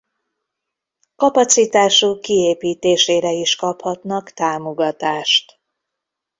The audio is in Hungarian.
Kapacitásuk kiépítésére is kaphatnak támogatást.